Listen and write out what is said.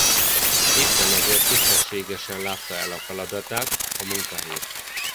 Éppen ezért tisztességesen látta el a feladatát a munkahelyén.